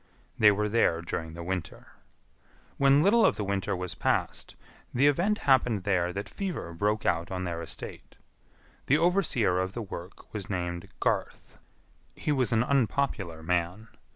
They were there during the winter. When little of the winter was past, the event happened there that fever broke out on their estate. The overseer of the work was named Garth. He was an unpopular man.